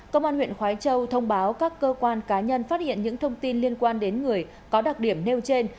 công an huyện khói châu thông báo các cơ quan cá nhân phát hiện những thông tin liên quan đến người có đặc điểm nêu trên